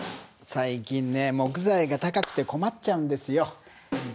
最近木材が高くて困っちゃうんですよ。